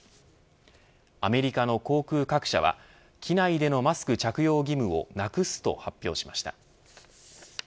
アメリカの航空各社は機内でのマスク着用義務をなくすと発表しました。